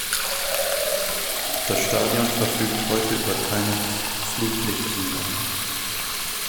Das Stadion verfügt heute über keine Flutlichtanlage.